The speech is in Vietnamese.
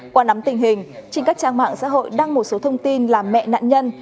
qua nắm tình hình trên các trang mạng xã hội đăng một số thông tin là mẹ nạn nhân